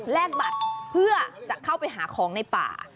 บัตรเพื่อจะเข้าไปหาของในป่า